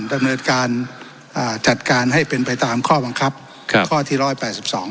ดำเนินการอ่าจัดการให้เป็นไปตามข้อบังคับครับข้อที่ร้อยแปดสิบสอง